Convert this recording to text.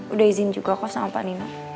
udah izin juga aku sama panino